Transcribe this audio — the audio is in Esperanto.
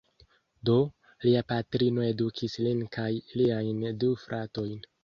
Do, lia patrino edukis lin kaj liajn du fratojn.